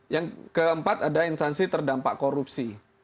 yang keempat ada instansi terdampak korupsi